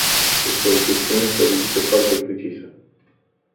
Este o chestiune politică foarte precisă.